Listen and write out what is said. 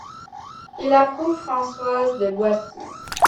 Il approuve Françoise de Boissy.